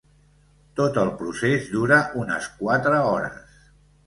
Tot el procés dura unes quatre hores.